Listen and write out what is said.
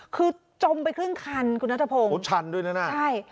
คือจมไปครึ่งคันคุณนัทพงศ์ชันด้วยนะน่ะใช่